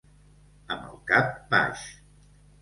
Amb el cap baix.